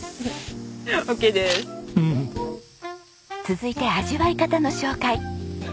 続いて味わい方の紹介。